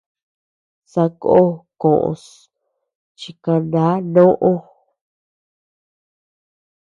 Sakó kos chi kana noʼo.